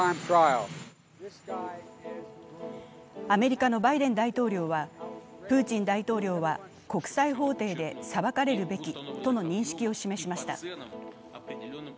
アメリカのバイデン大統領は、プーチン大統領は国際法廷で裁かれるべきとの認識を示しました。